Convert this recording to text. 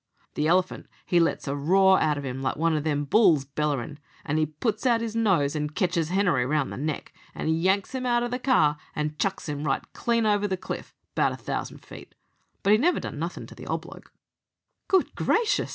"The elephant, he lets a roar out of him like one of them bulls bellerin', and he puts out his nose and ketches Henery round the neck, and yanks him out of the car, and chucks him right clean over the cliff, 'bout a thousand feet. But he never done nothin' to the old bloke."